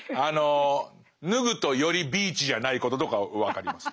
脱ぐとよりビーチじゃないこととか分かります。